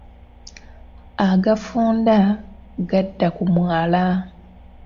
Agafunda, gadda ku mwala.